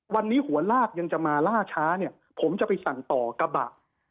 วันนี้หัวลากยังจะมาล่าช้าเนี่ยผมจะไปสั่งต่อกระบะ